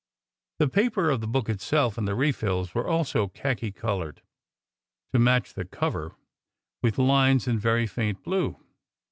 The paper of the book itself and the refills were also khaki coloured to match the cover, with lines in very faint blue.